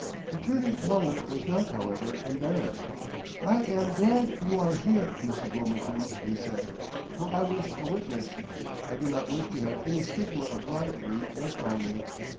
Attorney Mullen was not, however, embarrassed. "I am glad you are here, Mrs. Wilmerton," he said, "for I wish a witness. I do not wish to have any stigma of bribery rest on me.